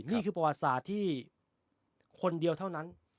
นี่คือประวัติศาสตร์ที่คนเดียวเท่านั้น